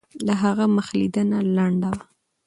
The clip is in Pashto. د هغه مخ لیدنه لنډه وه.